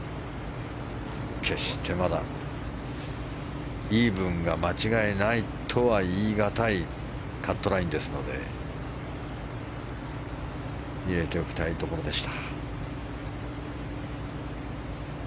決してまだイーブンが間違いないとは言い難いカットラインですので入れておきたいところでした。